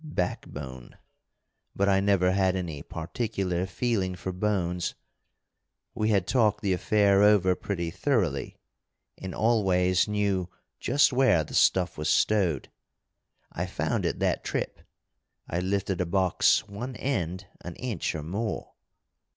Backbone! But I never had any particular feeling for bones. We had talked the affair over pretty thoroughly, and Always knew just where the stuff was stowed. I found it that trip. I lifted a box one end an inch or more."